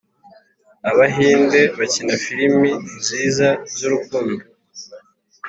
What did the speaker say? abahinde bakina filimi nziza z’ urukundo